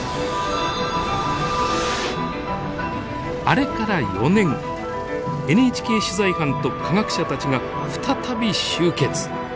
あれから４年ＮＨＫ取材班と科学者たちが再び集結。